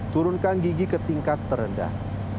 turunkan gigi ke tingkat terendah